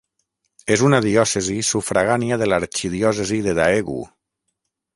És una diòcesi sufragània de l'arxidiòcesi de Daegu.